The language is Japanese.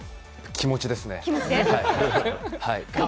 気持ちですね。